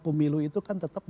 pemilu itu kan tetap empat belas